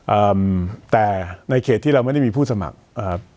เอ่อแต่ในเขตที่เราไม่ได้มีผู้สมัครอ่า